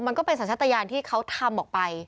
มันก็เป็นสัญชาติยานที่เขาทำออกไป